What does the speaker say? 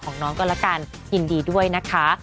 น้องก็ละกันยินดีด้วยนะคะ